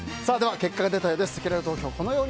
結果が出たようです。